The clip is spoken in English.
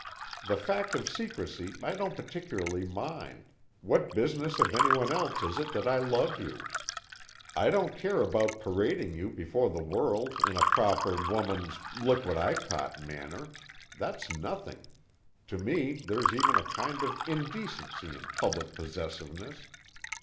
The fact of secrecy I don't particularly mind what business of anyone else is it that I love you? I don't care about parading you before the world in a proper woman's look what I caught manner that's nothing, to me there's even a kind of indecency in public possessiveness.